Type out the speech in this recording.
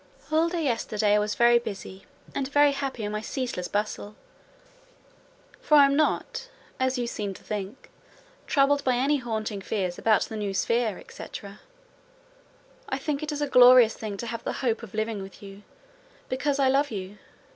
"All day yesterday I was very busy, and very happy in my ceaseless bustle; for I am not, as you seem to think, troubled by any haunting fears about the new sphere, et cetera: I think it a glorious thing to have the hope of living with you, because I love you.